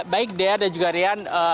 baik d r dan juga rian